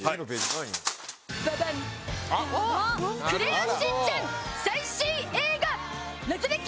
『クレヨンしんちゃん』最新映画『謎メキ！